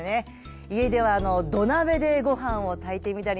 家では土鍋でご飯を炊いてみたりね